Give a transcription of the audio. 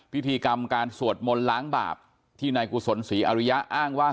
พิธีกรรมการสวดมนต์ล้างบาปที่นายกุศลศรีอริยะอ้างว่า